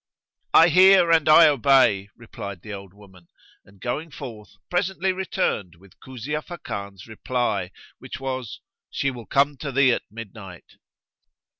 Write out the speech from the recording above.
"I hear and I obey," replied the old woman and going forth, presently returned with Kuzia Fakan's reply, which was, "She will come to thee at midnight."